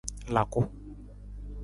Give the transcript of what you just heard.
Laku.